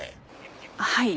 はい。